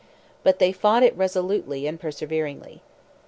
But they fought it resolutely and perseveringly.